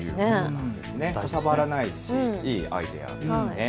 かさばらないしいいアイデアですね。